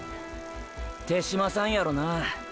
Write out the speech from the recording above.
手嶋さんやろうな。